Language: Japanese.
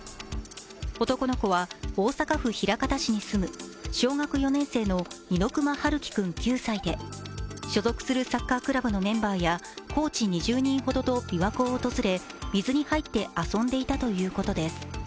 男の子は大阪府枚方市に住む小学４年生の猪熊遥希君９歳で所属するサッカークラブのメンバーやコーチ２０人ほどと水に入って遊んでいたということです。